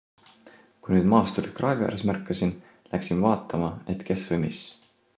Kui nüüd maasturit kraavi ääres märkasin, läksin vaatama, et kes või mis.